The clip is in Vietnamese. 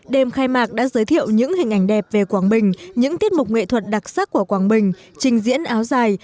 đêm khai mạc đã giới thiệu những hình ảnh đẹp về quảng bình những tiết mục nghệ thuật đặc sắc của quảng bình trình diễn áo dài